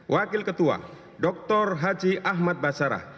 wakil ketua dr haji ahmad basarah